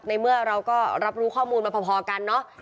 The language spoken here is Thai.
เมื่อเราก็รับรู้ข้อมูลมาพอกันเนอะ